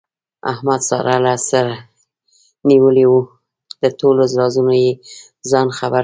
احمد ساره له سره نیولې وه، له ټولو رازونو یې ځان خبر کړ.